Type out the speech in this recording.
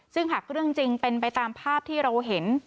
ซึ่งหากเรื่องจริงเป็นไปตามภาพที่เราเห็น